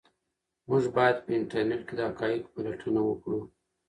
موږ باید په انټرنيټ کې د حقایقو پلټنه وکړو.